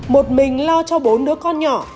một mình lo cho bốn đứa con nhỏ